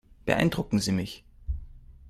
Beeindrucken Sie mich.